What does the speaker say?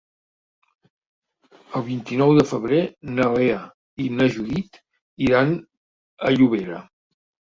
El vint-i-nou de febrer na Lea i na Judit iran a Llobera.